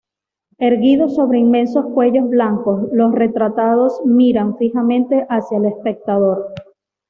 Erguidos sobre inmensos cuellos blancos, los retratados miran fijamente hacia el espectador.